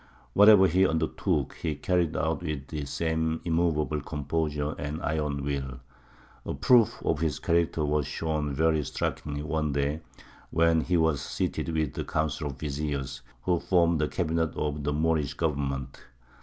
Whatever he undertook he carried out with the same immovable composure and iron will. A proof of his character was shown very strikingly one day, when he was seated with the Council of Vizirs, who formed the Cabinet of the Moorish government.